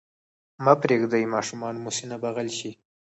مه پرېږدئ ماشومان مو سینه بغل شي.